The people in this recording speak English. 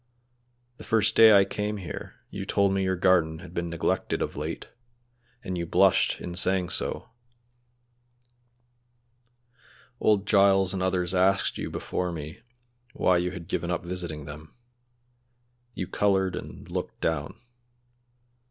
The first day I came here you told me your garden had been neglected of late, and you blushed in saying so. Old Giles and others asked you before me why you had given up visiting them; you colored and looked down.